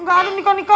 gak ada nikah nikah